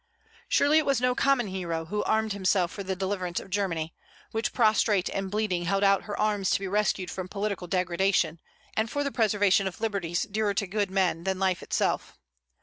Surely it was no common hero who armed himself for the deliverance of Germany, which prostrate and bleeding held out her arms to be rescued from political degradation, and for the preservation of liberties dearer to good men than life itself.